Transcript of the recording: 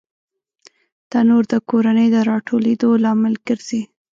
تنور د کورنۍ د راټولېدو لامل ګرځي